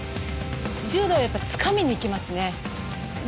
柔道はやっぱつかみにいきますね。